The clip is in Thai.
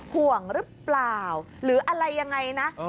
ห่วงหรือเปล่าหรืออะไรยังไงนะ